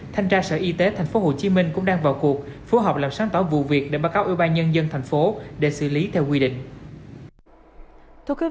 thanh tra sở y tế tp hcm cũng đang vào cuộc phối hợp làm sáng tỏ vụ việc để báo cáo ủy ban nhân dân thành phố để xử lý theo quy định